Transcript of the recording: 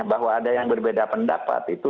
bahwa ada yang berbeda pendapat itu